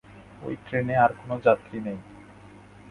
ওই ট্রেনে আর কোনো যাত্রী নেই।